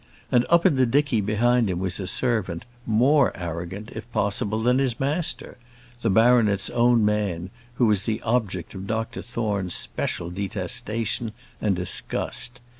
And up in the dicky behind was a servant, more arrogant, if possible, than his master the baronet's own man, who was the object of Dr Thorne's special detestation and disgust.